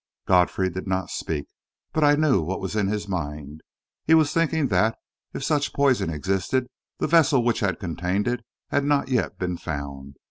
Godfrey did not speak; but I knew what was in his mind. He was thinking that, if such poison existed, the vessel which had contained it had not yet been found.